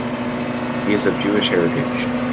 He is of Jewish heritage.